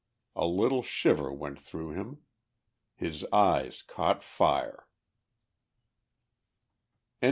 A little shiver went through him; his eyes caught fire.